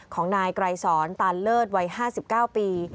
ของนายไกรสอนตานเลิศวัย๕๙ปี